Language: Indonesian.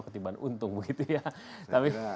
ketiban untung begitu ya